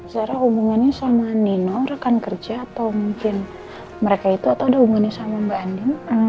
zara hubungannya sama nino rekan kerja atau mungkin mereka itu atau ada hubungannya sama mbak andi